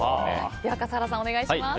では笠原さんお願いします。